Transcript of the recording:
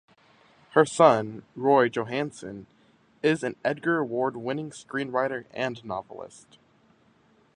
Her son, Roy Johansen, is an Edgar Award-winning screenwriter and novelist.